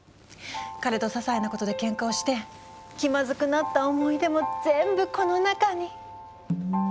彼とささいなことでけんかをして気まずくなった思い出も全部この中に。